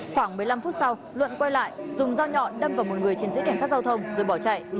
khoảng một mươi năm phút sau luận quay lại dùng dao nhọn đâm vào một người chiến sĩ cảnh sát giao thông rồi bỏ chạy